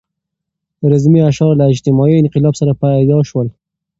رزمي اشعار له اجتماعي انقلاب سره پیدا شول.